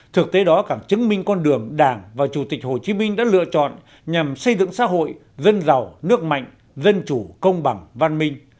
thực tế đó càng chứng minh con đường đảng và chủ tịch hồ chí minh đã lựa chọn nhằm xây dựng xã hội dân giàu nước mạnh dân chủ công bằng văn minh